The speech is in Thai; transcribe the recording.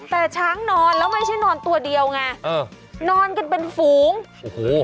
แต่ช้างนอนแล้วไม่ใช่นอนตัวเดียวไงเออนอนกันเป็นฝูงโอ้โห